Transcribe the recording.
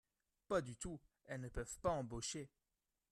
Pas du tout, elles ne peuvent pas embaucher